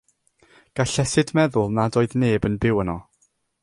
Gallesid meddwl nad oedd neb yn byw yno.